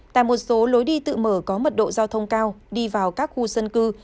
tại một số lối đi tự mở có mật độ giao thông cao đi vào các khu dân cư